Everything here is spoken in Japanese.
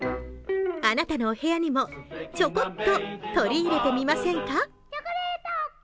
あなたのお部屋にもチョコっと取り入れてみませんか？